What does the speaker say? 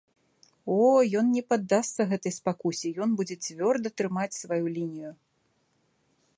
О, ён не паддасца гэтай спакусе, ён будзе цвёрда трымаць сваю лінію!